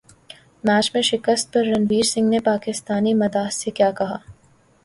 match میں شکست پر رنویر سنگھ نے پاکستانی مداح سے کیا کہا